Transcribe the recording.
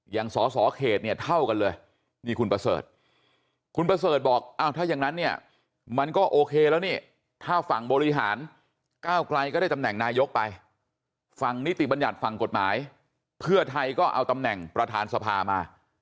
อย่างศศเขตเนี่ยเท่ากันเลยเพื่อไทยก็เอาตำแหน่งประธานสภามา